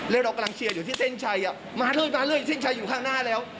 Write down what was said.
แล้วเรากำลังเชียร์อยู่ที่เส้นชัยมาด้วยมาเลยเส้นชัยอยู่ข้างหน้าแล้ว